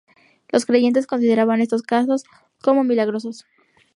Los creyentes consideraban estos casos como milagrosos.